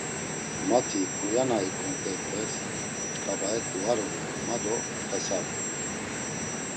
Mati buya na ikumt̆eypes ǩabaet̆i var uğunan, ma do pxesabum.